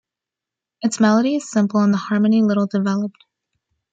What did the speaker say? Its melody is simple and the harmony little developed.